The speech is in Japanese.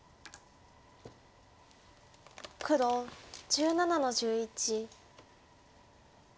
黒１７の十一。